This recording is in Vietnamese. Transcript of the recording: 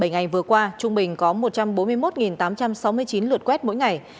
bảy ngày vừa qua trung bình có một trăm bốn mươi một tám trăm sáu mươi chín lượt quét mỗi ngày